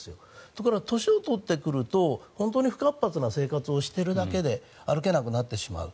ところが年を取ってくると本当に不活発な生活をしているだけで歩けなくなってしまう。